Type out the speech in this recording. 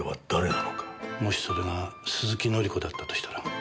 もしそれが鈴木紀子だったとしたら。